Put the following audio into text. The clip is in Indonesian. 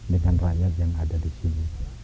dengan rakyat yang ada di sini